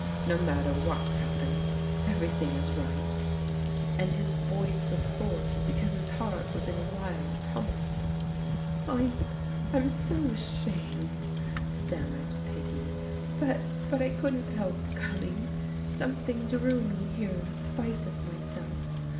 No matter what's happened. Every thing is right," and his voice was hoarse because his heart was a wild tumult. " I'm — I'm so ashamed, stammered Peggy, " but — ^but I couldn't help coming. Something drew me here in spite of myself.